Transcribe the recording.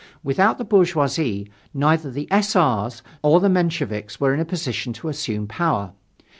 Without the bourgeoisie neither the S. R.'s nor the Mensheviks were in a position to assume power.